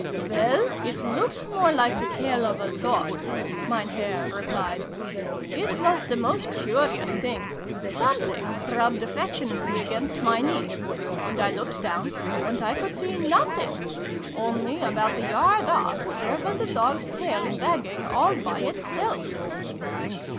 " Well, it looked more like the tail of a dog," Mein Herr replied. " It was the most curious thing ! Something rubbed affectionately against my knee. And I looked down. And I could see nothing ! Only, about a yard off, there was a dog's tail, wagging, all by itself!